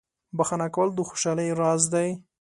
• بخښنه کول د خوشحالۍ راز دی.